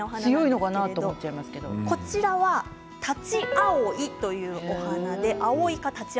こちらはタチアオイという花です。